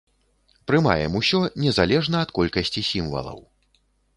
Прымаем усё, незалежна ад колькасці сімвалаў.